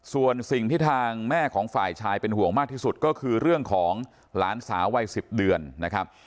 ส่วนสิ่งที่ทางแม่ของฝ่ายชายเป็นห่วงมากที่สุดก็คือเรื่องของหลานสาววัย๑๐เดือนนะครับ